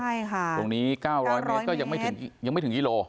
ตรงนี้๙๐๐เมตรก็ยังไม่ถึงยิโล